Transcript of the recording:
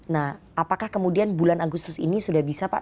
nah apakah kemudian bulan agustus ini sudah bisa pak